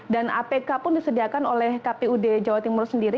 dan apk pun disediakan oleh kpud jawa timur sendiri